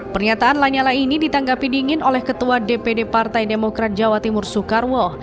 pernyataan lanyala ini ditanggapi dingin oleh ketua dpd partai demokrat jawa timur soekarwo